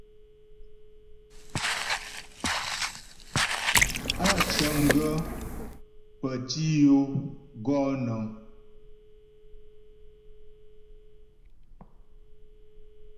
Á cəŋ gaə́ pə́ tǐ yo gɔ nəŋ.